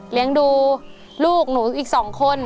เลี้ยงดูลูกหนูอีก๒คน